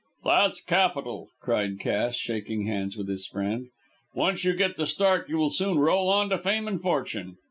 "That's capital," cried Cass, shaking hands with his friend. "Once you get the start you will soon roll on to fame and fortune.